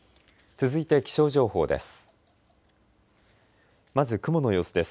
続いて気象情報です。